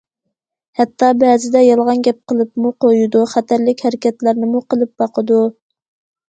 ھەتتا بەزىدە يالغان گەپ قىلىپمۇ قويىدۇ، خەتەرلىك ھەرىكەتلەرنىمۇ قىلىپ باقىدۇ.